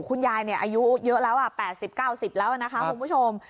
คุณยายเนี่ยอายุเยอะแล้วแปดสิบเก้าสิบแล้วนะคะคุณผู้ชม